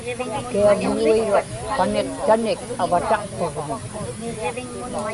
kiavḷuiruq paniqtanik avataqpagmun